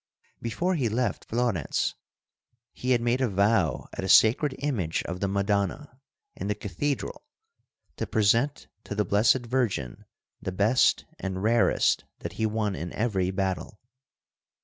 Before he left Florence, he had made a vow at a sacred image of the Madonna in the Cathedral to present to the Blessed Virgin the best and rarest that he won in every battle.